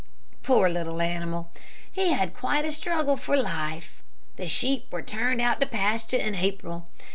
Poor little animal! he had quite a struggle for life. The sheep were turned out to pasture in April.